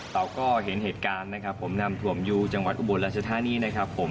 เราก็เห็นเหตุการณ์นะครับผมนำถ่วมยูจังหวัดอุบลราชธานีนะครับผม